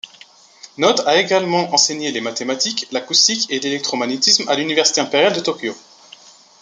Knott a également enseigné les mathématiques, l'acoustique et l'électromagnétisme à l'université impériale de Tokyo.